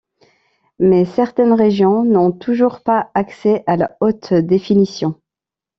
Mais certaines régions n'ont toujours pas accès à la haute définition.